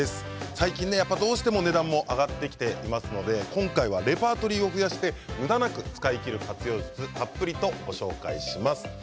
最近どうしても値段も上がってきていますので今回はレパートリーを増やしてむだなく使い切る活用術をたっぷりとご紹介します。